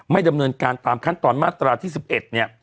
ดำเนินการตามขั้นตอนมาตราที่๑๑เนี่ย